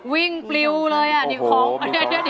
วิ้งปลิวเลยครับ